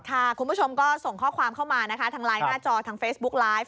คุณผู้ชมก็ส่งข้อความเข้ามานะคะทางไลน์หน้าจอทางเฟซบุ๊กไลฟ์